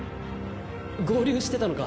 合流してたのか。